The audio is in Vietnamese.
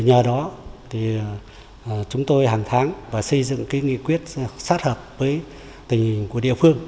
nhờ đó thì chúng tôi hàng tháng xây dựng cái nghị quyết sát hợp với tình hình của địa phương